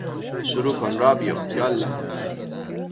شروع کن!، راه بیفت!، یاالله!